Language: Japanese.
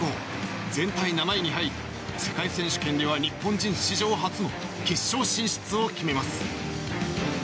全体７位に入り世界選手権では日本人史上初の決勝進出を決めます。